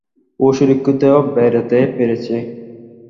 ও সুরক্ষিত বেরাতে পেরেছে?